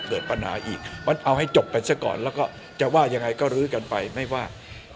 เกิดปัญหาอีกมันเอาให้จบกันซะก่อนแล้วก็จะว่ายังไงก็ลื้อกันไปไม่ว่า